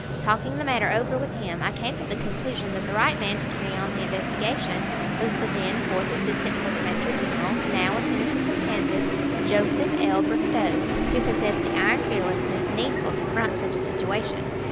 Talking the matter over with him, I came to the conclusion that the right man to carry on the investigation was the then Fourth Assistant Postmaster General, now a Senator from Kansas, Joseph L. Bristow, who possessed the iron fearlessness needful to front such a situation.